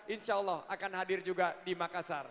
insya allah akan hadir juga di makassar